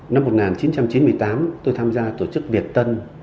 năm một nghìn chín trăm chín mươi tám tôi tham gia tổ chức việt tân